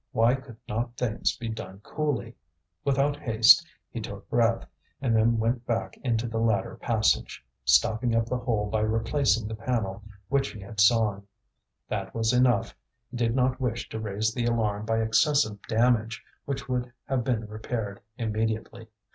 Why could not things be done coolly? Without haste he took breath, and then went back into the ladder passage, stopping up the hole by replacing the panel which he had sawn. That was enough; he did not wish to raise the alarm by excessive damage which would have been repaired immediately.